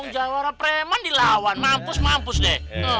jawa jawa preman dilawan mampus mampus deh